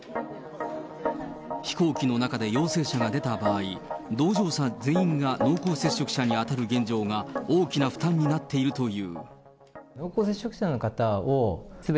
飛行機の中で陽性者が出た場合、同乗者全員が濃厚接触者に当たる現状が大きな負担になっているという。